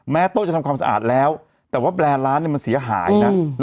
โต๊ะจะทำความสะอาดแล้วแต่ว่าแบรนด์ร้านมันเสียหายนะ